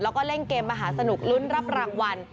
แล้วก็เล่นเกมมหาสนุกลุ้นรับรางวัล